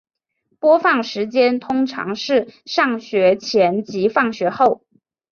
播放时间通常是上学前及放学后。